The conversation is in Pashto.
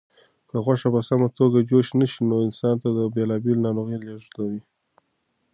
که غوښه په سمه توګه جوش نشي نو انسان ته بېلابېلې ناروغۍ لېږدوي.